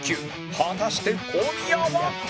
果たして小宮は！？